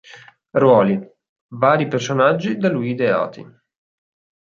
Ruoli: vari personaggi da lui ideati.